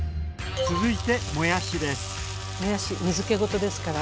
続いてもやしです。